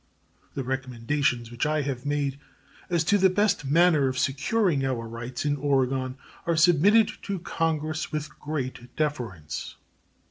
The recommendations which I have made as to the best manner of securing our rights in Oregon are submitted to Congress with great deference.